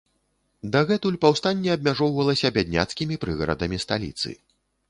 Дагэтуль паўстанне абмяжоўвалася бядняцкімі прыгарадамі сталіцы.